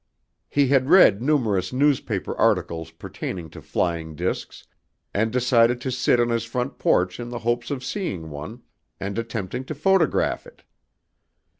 He had read numerous newspaper articles pertaining to flying discs and decided to sit on his front porch in the hopes of seeing one and attempting to photograph it.